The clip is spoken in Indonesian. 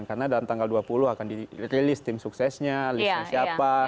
karena dalam tanggal dua puluh akan dirilis tim suksesnya listnya siapa